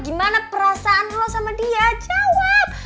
gimana perasaan lo sama dia jawab